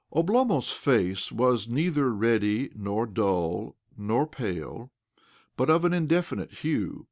Oblomov's face was neither reddy nor dull nor pale, but of an indefinite hue.